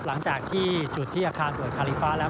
หลังจากจุดที่อาคารบ่วนกาลิฟาแล้ว